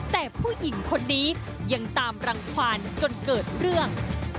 แต่ผู้หญิงคนนี้ยังตามรังความจนเกิดเรื่อง